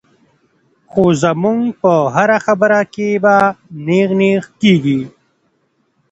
خو زمونږ پۀ هره خبره کښې به نېغ نېغ کيږي -